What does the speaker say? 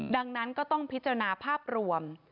ดังนั้นก็ต้องพิจารณาภาพรวม